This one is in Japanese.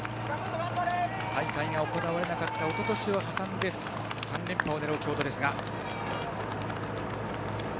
大会が行われなかったおととしを挟んで３連覇を狙う京都ですが。